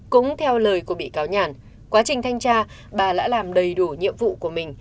cũng theo lời của bị cáo nhàn quá trình thanh tra bà đã làm đầy đủ nhiệm vụ của mình